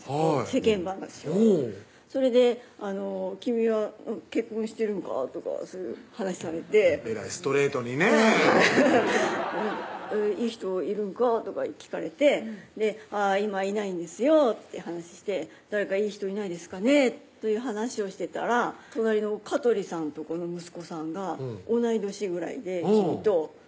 世間話をほうそれで「君は結婚してるんか？」とかそういう話されてえらいストレートにねぇ「いい人いるんか？」とか聞かれて「今いないんですよ」って話して「誰かいい人いないですかねぇ」という話をしてたら「隣の鹿取さんとこの息子さんが同い年ぐらいで君と」